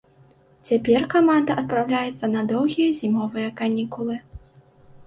Цяпер каманда адпраўляецца на доўгія зімовыя канікулы.